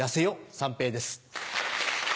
三平です。